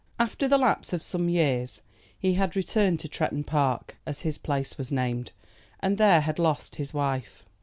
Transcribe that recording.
After the lapse of some years he had returned to Tretton Park, as his place was named, and there had lost his wife.